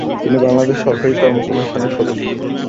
তিনি বাংলাদেশ সরকারি কর্ম কমিশনের সদস্য।